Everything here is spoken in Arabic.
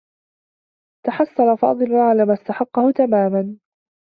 تحصّل فاضل على ما استحقّه تماما.